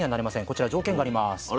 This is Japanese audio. こちら条件があります。